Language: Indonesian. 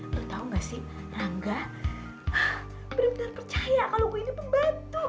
lo tau nggak sih rangga bener bener percaya kalau gue ini pembantu